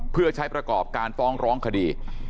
เพื่อใช้ประกอบการฟ้องร้องคดี